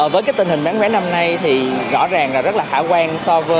với tình hình bán vé năm nay thì rõ ràng là rất là khả quan